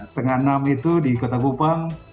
setengah enam itu di kota gupang